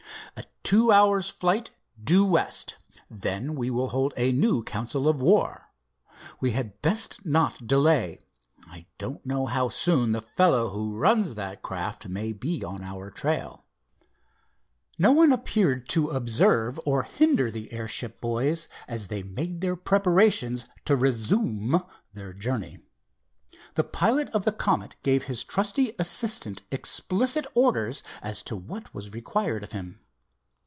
"A two hours' flight, due west. Then we will hold a new council of war. We had best not delay. I don't know how soon the fellow who runs that craft may be on our trail." No one appeared to observe or hinder the airship boys as they made their preparations to resume their journey. The pilot of the Comet gave his trusty assistant explicit orders as to what was required of him.